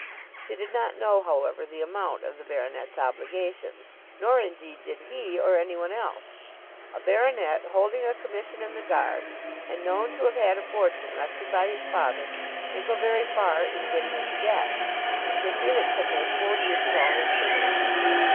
She did not know, however, the amount of the baronet's obligations; nor, indeed, did he, or any one else. A baronet, holding a commission in the Guards, and known to have had a fortune left him by his father, may go very far in getting into debt; and Sir Felix had made full use of all his privileges.